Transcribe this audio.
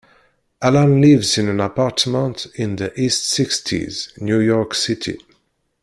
Alan lives in an apartment in the East Sixties, New York City.